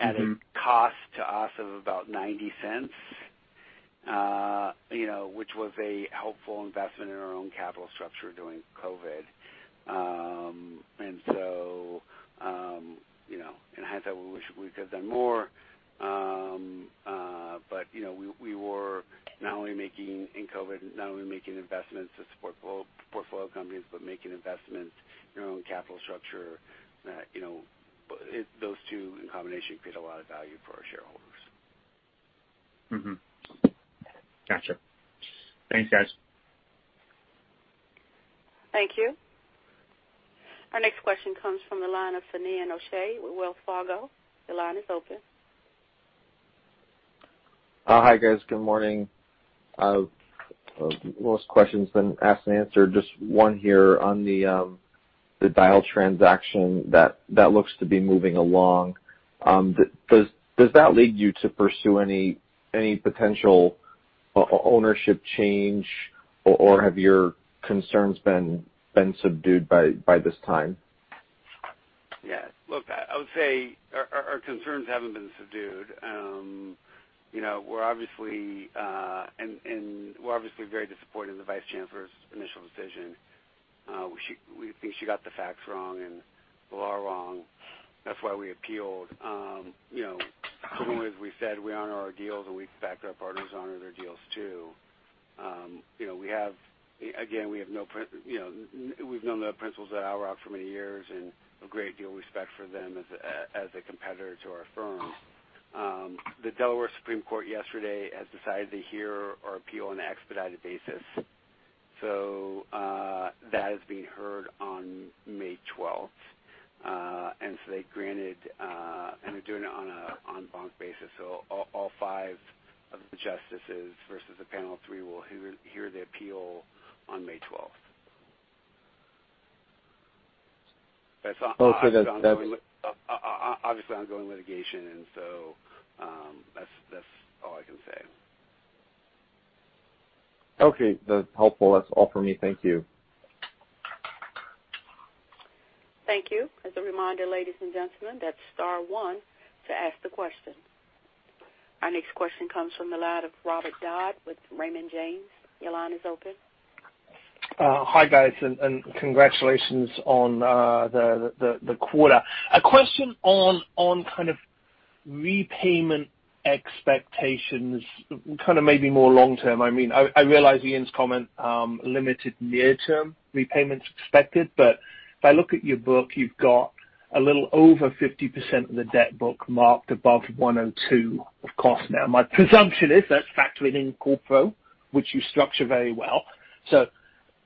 at a cost to us of about $0.90, which was a helpful investment in our own capital structure during COVID. In hindsight, we wish we could've done more. We were not only making, in COVID, not only making investments to support portfolio companies, but making investments in our own capital structure. Those two in combination create a lot of value for our shareholders. Mm-hmm. Got you. Thanks, guys. Thank you. Our next question comes from the line of Finian O'Shea with Wells Fargo. Your line is open. Hi, guys. Good morning. Most questions been asked and answered. Just one here on the Dyal transaction that looks to be moving along. Does that lead you to pursue any potential ownership change, or have your concerns been subdued by this time? Yeah. Look, I would say our concerns haven't been subdued. We're obviously very disappointed in the Vice Chancellor's initial decision. We think she got the facts wrong and the law wrong. That's why we appealed. As we said, we honor our deals, and we expect our partners to honor their deals too. Again, we've known the principals at Owl Rock for many years and a great deal of respect for them as a competitor to our firm. The Delaware Supreme Court yesterday has decided to hear our appeal on an expedited basis. That is being heard on May 12th. They granted, and they're doing it on an en banc basis. All five of the justices versus a panel of three will hear the appeal on May 12th. Okay. Obviously ongoing litigation. That's all I can say. Okay. That's helpful. That's all for me. Thank you. Thank you. As a reminder, ladies and gentlemen that's star one to ask a question, Our next question comes from the line of Robert Dodd with Raymond James your line is open. Hi, guys, congratulations on the quarter. A question on kind of repayment expectations, kind of maybe more long term. I realize Ian's comment, limited near-term repayments expected, but if I look at your book, you've got a little over 50% of the debt book marked above 102 of cost now. My presumption is that's factoring in call pro, which you structure very well.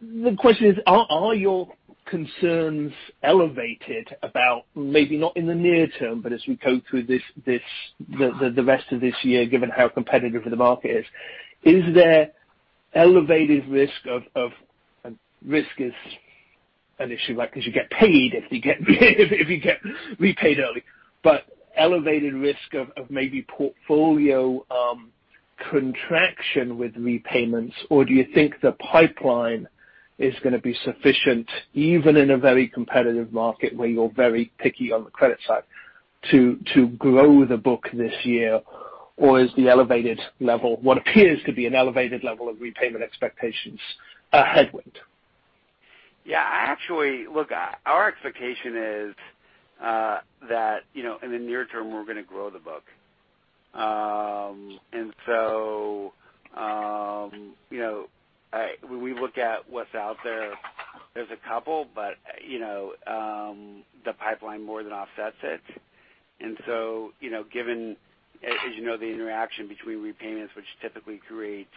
The question is, are your concerns elevated about maybe not in the near term, but as we go through the rest of this year, given how competitive the market is. Is there elevated risk of.. Risk is an issue because you get paid if you get repaid early. Elevated risk of maybe portfolio contraction with repayments, or do you think the pipeline is going to be sufficient, even in a very competitive market where you're very picky on the credit side to grow the book this year? Or is the elevated level, what appears to be an elevated level of repayment expectations, a headwind? Yeah. Look, our expectation is that in the near term, we're going to grow the book. So when we look at what's out there's a couple, but the pipeline more than offsets it. Given, as you know, the interaction between repayments, which typically create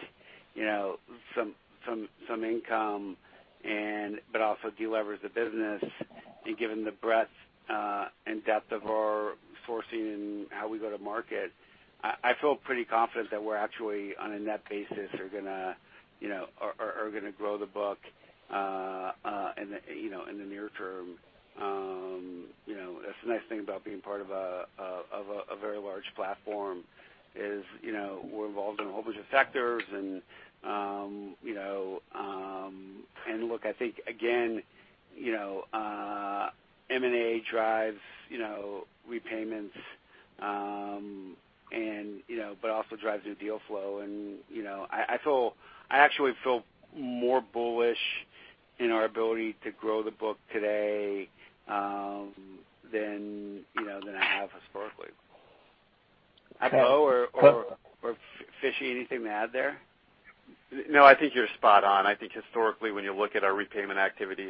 some income but also de-levers the business, and given the breadth and depth of our sourcing and how we go to market, I feel pretty confident that we're actually on a net basis are going to grow the book in the near term. That's the nice thing about being part of a very large platform is we're involved in a whole bunch of sectors. Look, I think again, M&A drives repayments but also drives new deal flow. I actually feel more bullish in our ability to grow the book today than I have historically. I don't know. Fishy, anything to add there? No, I think you're spot on. I think historically when you look at our repayment activity,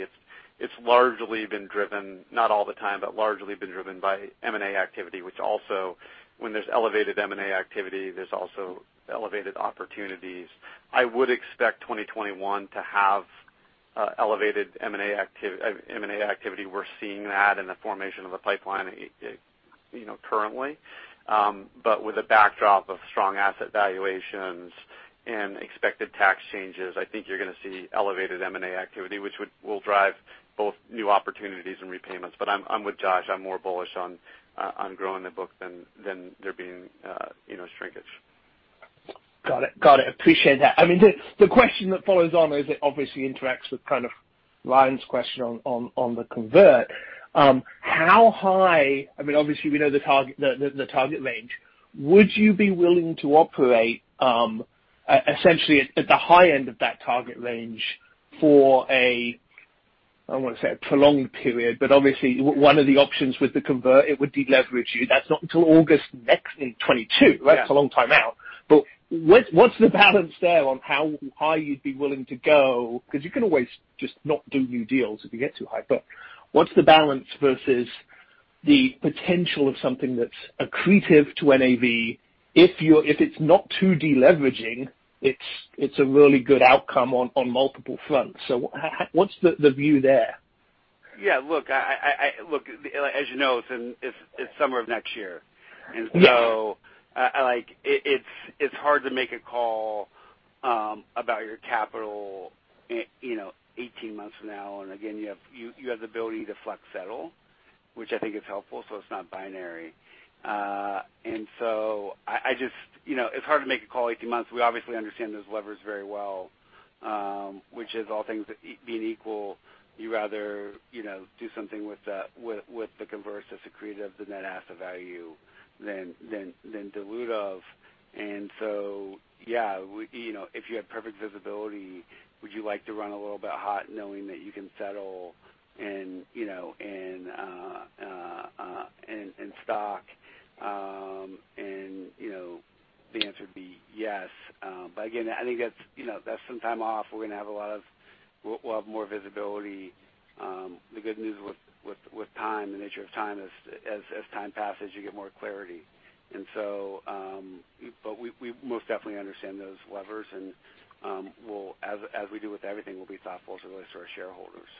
it's largely been driven, not all the time, but largely been driven by M&A activity, which also when there's elevated M&A activity, there's also elevated opportunities. I would expect 2021 to have elevated M&A activity. We're seeing that in the formation of the pipeline currently. With a backdrop of strong asset valuations and expected tax changes, I think you're going to see elevated M&A activity, which will drive both new opportunities and repayments. I'm with Josh. I'm more bullish on growing the book than there being shrinkage. Got it. Appreciate that. The question that follows on is it obviously interacts with kind of Ryan's question on the convert. How high, obviously we know the target range. Would you be willing to operate essentially at the high end of that target range for a, I don't want to say a prolonged period, but obviously one of the options with the convert, it would de-leverage you. That's not until August next year, 2022. Yeah. That's a long time out. What's the balance there on how high you'd be willing to go? You can always just not do new deals if you get too high. What's the balance versus the potential of something that's accretive to NAV? If it's not too de-leveraging, it's a really good outcome on multiple fronts. What's the view there? Yeah. Look, as you know, it's summer of next year. Yeah. It's hard to make a call about your capital 18 months from now. Again, you have the ability to flex settle, which I think is helpful, so it's not binary. It's hard to make a call 18 months. We obviously understand those levers very well, which is all things being equal, you'd rather do something with the convert that's accretive to net asset value than dilutive. Yeah, if you had perfect visibility, would you like to run a little bit hot knowing that you can settle in stock? The answer would be yes. Again, I think that's some time off. We'll have more visibility. The good news with time, the nature of time is as time passes, you get more clarity. We most definitely understand those levers, and as we do with everything, we'll be thoughtful as it relates to our shareholders.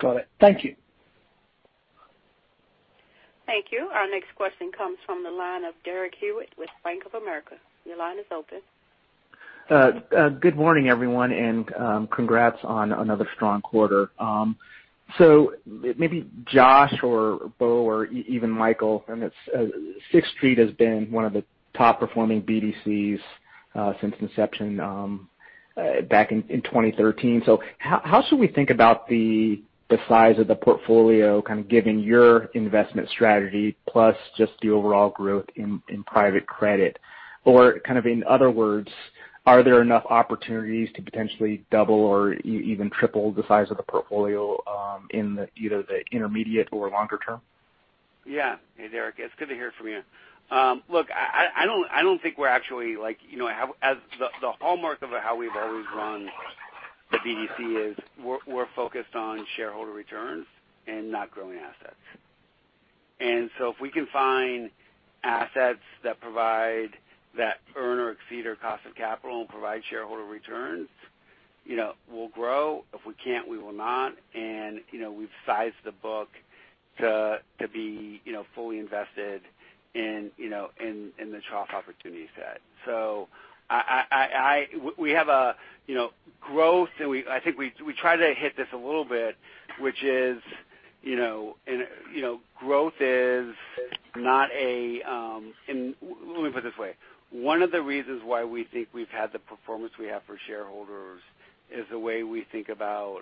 Got it. Thank you. Thank you. Our next question comes from the line of Derek Hewett with Bank of America. Your line is open. Good morning, everyone, congrats on another strong quarter. Maybe Josh or Bo or even Michael, Sixth Street has been one of the top-performing BDCs since inception back in 2013. How should we think about the size of the portfolio, kind of given your investment strategy plus just the overall growth in private credit? Kind of in other words, are there enough opportunities to potentially double or even triple the size of the portfolio in either the intermediate or longer term? Yeah. Hey, Derek, it's good to hear from you. Look, I don't think we're actually The hallmark of how we've always run the BDC is we're focused on shareholder returns and not growing assets. If we can find assets that earn or exceed our cost of capital and provide shareholder returns, we'll grow. If we can't, we will not. We've sized the book to be fully invested in the trough opportunity set. We have growth, and I think we tried to hit this a little bit, which is growth is not Let me put it this way. One of the reasons why we think we've had the performance we have for shareholders is the way we think about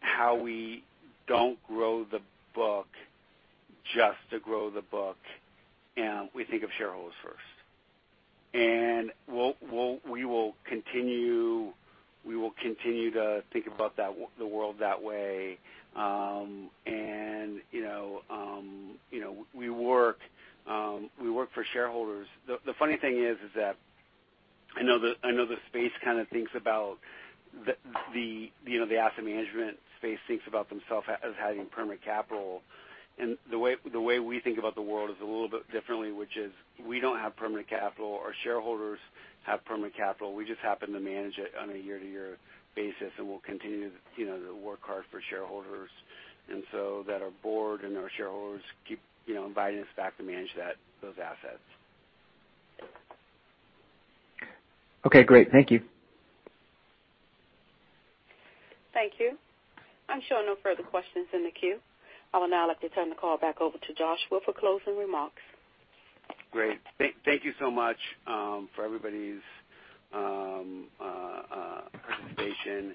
how we don't grow the book just to grow the book, and we think of shareholders first. We will continue to think about the world that way. We work for shareholders. The funny thing is that I know the asset management space thinks about themselves as having permanent capital. The way we think about the world is a little bit differently, which is we don't have permanent capital. Our shareholders have permanent capital. We just happen to manage it on a year-to-year basis, and we'll continue to work hard for shareholders, and so that our board and our shareholders keep inviting us back to manage those assets. Okay, great. Thank you. Thank you. I'm showing no further questions in the queue. I will now like to turn the call back over to Josh for closing remarks. Great. Thank you so much for everybody's participation.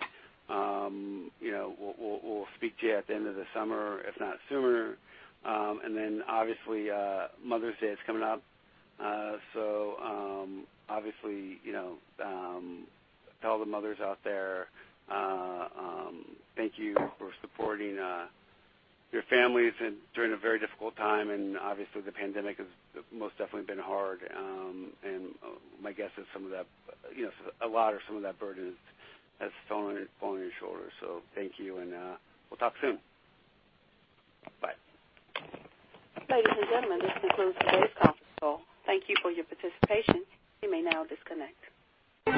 We'll speak to you at the end of the summer, if not sooner. Obviously, Mother's Day is coming up. Obviously, to all the mothers out there, thank you for supporting your families during a very difficult time. Obviously, the pandemic has most definitely been hard. My guess is a lot or some of that burden has fallen on your shoulders. Thank you, and we'll talk soon. Bye. Ladies and gentlemen, this concludes today's conference call. Thank you for your participation. You may now disconnect.